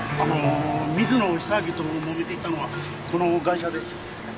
水野久明ともめていたのはこのガイシャです。